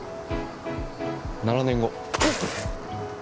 ７年後。